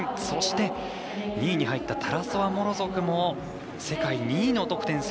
そして、２位に入ったタラソワ、モロゾフも世界２位の得点。